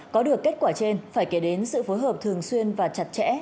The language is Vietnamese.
có được kết quả trên phải kể đến sự phối hợp thường xuyên và chặt chẽ